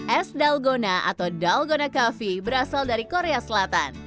es dalgona atau dalgona coffee berasal dari korea selatan